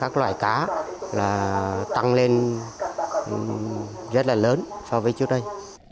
giá là tăng lên rất là lớn so với trước đây